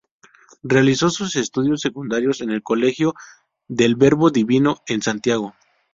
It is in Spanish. Realizó sus estudios secundarios en el Colegio del Verbo Divino en Santiago.